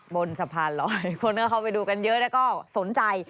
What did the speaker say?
บนสะพานลอยคนก็เข้าไปดูกันเยอะแล้วก็สนใจ